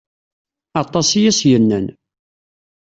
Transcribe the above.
Atas i as-yennan.